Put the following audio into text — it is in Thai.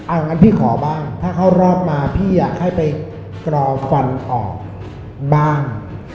งั้นพี่ขอบ้างถ้าเข้ารอบมาพี่อยากให้ไปกรอฟันออกบ้าง